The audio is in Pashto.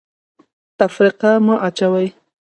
تفرقه مه اچوئ